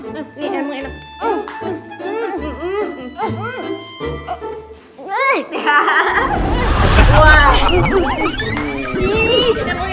nih yang gak enak